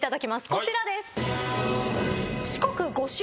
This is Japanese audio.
こちらです。